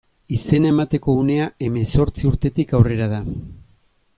Izena emateko unea hemezortzi urtetik aurrera da.